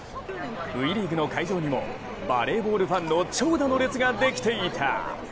Ｖリーグの会場にもバレーボールファンの長蛇の列ができていた。